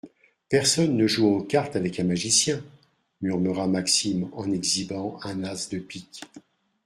Personne ne joue aux cartes avec un magicien, murmura Maxime en exhibant un as de pique.